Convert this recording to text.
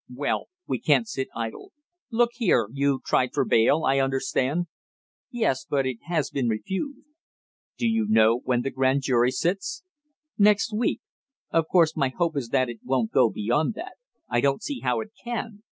"Well, we can't sit idle! Look here, you tried for bail, I understand?" "Yes, but it has been refused." "Do you know when the grand jury sits?" "Next week. Of course my hope is that it won't go beyond that; I don't see how it can!"